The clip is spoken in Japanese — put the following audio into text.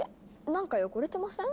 なんか汚れてません？